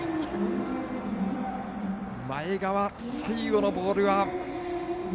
前川、最後のボールは。